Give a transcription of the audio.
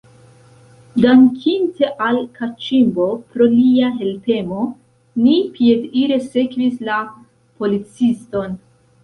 Dankinte al Kaĉimbo pro lia helpemo, ni piedire sekvis la policiston.